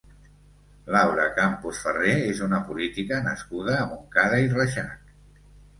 Laura Campos Ferrer és una política nascuda a Montcada i Reixac.